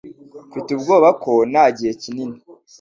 Mfite ubwoba ko nta gihe kinini